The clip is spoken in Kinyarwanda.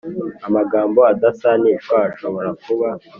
amagambo adasanishwa ashobora kuba